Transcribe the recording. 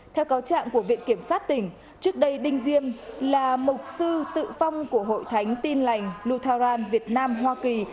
theo cáo trạng của viện kiểm sát tỉnh trước đây đinh diêm là mục sư tự phong của hội thánh tin lành lutheran việt nam hoa kỳ